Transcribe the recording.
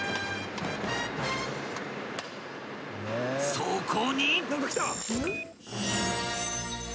［そこに］